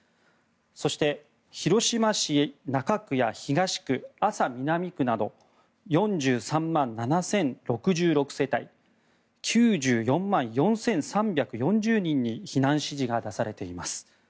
そして、広島市中区や東区安佐南区など４３万７０６６世帯９４万４３４０人に避難指示が出されています。